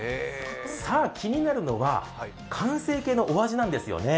さぁ、気になるのは完成形のお味なんですね。